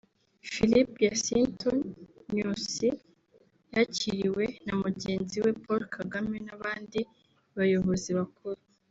Filipe Jacinto Nyusi yakiriwe na mugenzi we Paul Kagame n’abandi bayobozi bakuru